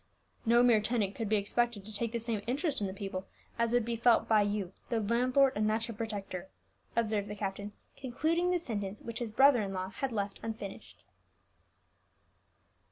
"No mere tenant could be expected to take the same interest in the people as would be felt by you, their landlord and natural protector," observed the captain, concluding the sentence which his brother in law had left unfinished.